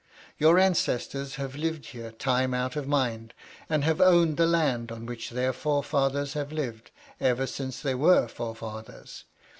Your ancestors have lived here time out of mind, and have owned the land on which their forefathers have lived ever since there were forefathers.